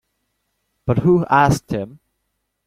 But who asked him?